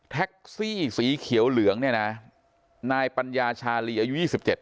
แท็กซี่สีเขียวเหลืองเนี่ยนะนายปัญญาชาลีอายุยี่สิบเจ็ด